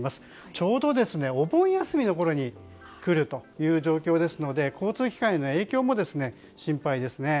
ちょうどお盆休みのころに来るという状況ですので交通機関への影響も心配ですね。